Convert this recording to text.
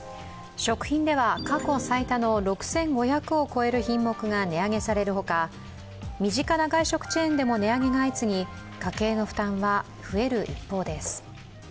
食品では過去最多の６５００を超える品目が値上げされるほか、身近な外食チェーンでも値上げが相次ぎ家計の負担は増える一方です。